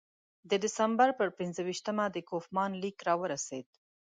د ډسامبر پر پنځه ویشتمه د کوفمان لیک راورسېد.